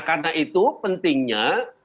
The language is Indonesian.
karena itu pentingnya